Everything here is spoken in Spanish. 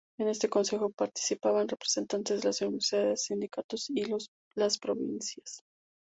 En este consejos participaban representantes de las universidades, los sindicatos y las provincias.